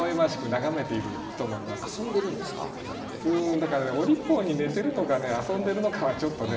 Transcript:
だからお利口に寝てるのか遊んでるのかはちょっとね